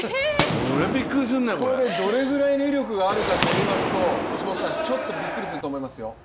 これ、どれぐらいの威力があるかといいますと橋本さん、ちょっとびっくりすると思いますよ。